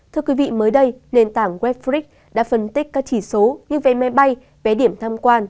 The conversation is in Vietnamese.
thưa quý vị mới đây nền tảng web fric đã phân tích các chỉ số như vé máy bay vé điểm tham quan